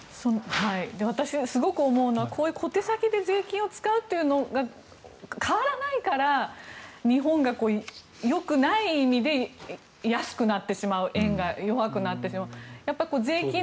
私、すごく思うのはこういう小手先で税金を使うというのが変わらないから日本がよくない意味で安くなってしまう円が弱くなってしまう。